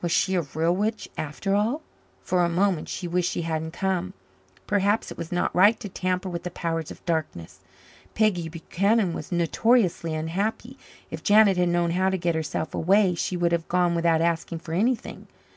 Was she a real witch after all? For a moment she wished she hadn't come. Perhaps it was not right to tamper with the powers of darkness. Peggy Buchanan was notoriously unhappy. If Janet had known how to get herself away, she would have gone without asking for anything.